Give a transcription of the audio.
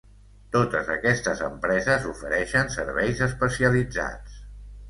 Totes aquestes empreses ofereixen serveis especialitzats.